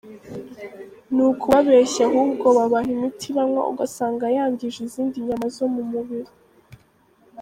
Ni ukubabeshya ahubwo babaha imiti banywa ugasanga yangije izindi nyama zo mu mubiri.